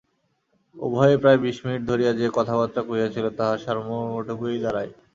উভয়ে প্রায় বিশ মিনিট ধরিয়া যে কথাবার্তা কহিয়াছিল তাহার সারমর্মটকু এই দাঁড়ায়।